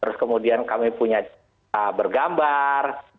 terus kemudian kami punya bergambar